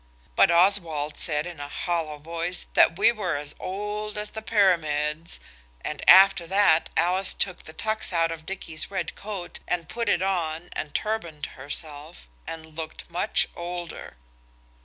But Oswald said in a hollow voice that we were as old as the Pyramids and after that Alice took the tucks out of Dicky's red coat and put it on and turbaned herself, and looked much older.